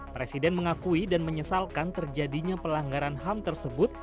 presiden mengakui dan menyesalkan terjadinya pelanggaran ham tersebut